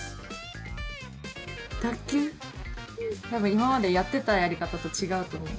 今までやってたやり方と違うと思う。